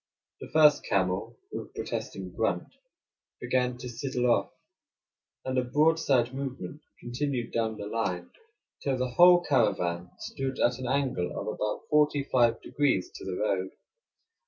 The first camel, with a protesting grunt, began to sidle off, and the broadside movement continued down the line till the whole caravan stood at an angle of about forty five degrees to the road.